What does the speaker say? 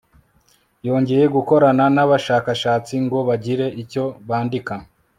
yongeye gukorana n'abashakashatsi ngo bagire icyo bandika